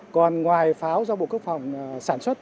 còn ngoài pháo do bộ quốc phòng sản xuất